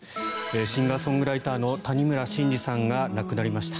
シンガー・ソングライターの谷村新司さんが亡くなりました。